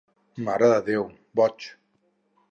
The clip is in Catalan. Mare de déu, boig!